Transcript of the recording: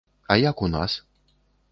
А як у нас?